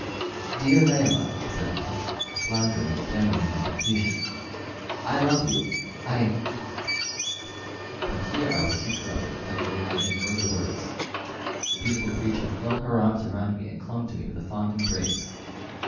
"Dear Layelah," said I, floundering and stammering in my confusion, "I love you; I " But here I was interrupted without waiting for any further words; the beautiful creature flung her arms around me and clung to me with a fond embrace.